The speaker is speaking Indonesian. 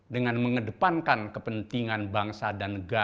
dengan mengedepankan kepentingan bangsa dan negara